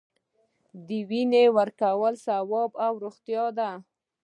د وینې ورکول ثواب او روغتیا ده